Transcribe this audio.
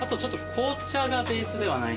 紅茶がベースじゃない？